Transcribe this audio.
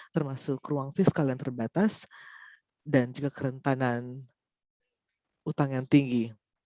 termasuk ruang fiskal yang terbatas dan juga kerentanan utang yang tinggi